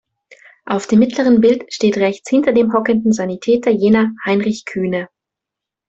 Auf dem mittleren Bild steht rechts hinter dem hockenden Sanitäter jener "Heinrich Kühne".